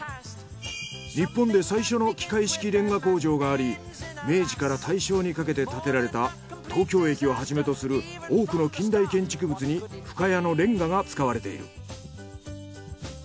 日本で最初の機械式レンガ工場があり明治から大正にかけて建てられた東京駅をはじめとする多くの近代建築物に深谷のレンガが使われている。